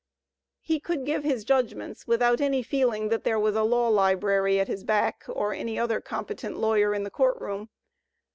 He could give his judgments without any feeling that there was a law library at his back or any other competent lawyer in the court room.